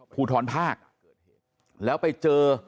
ผู้ท้อนทาคแล้วไปเจอ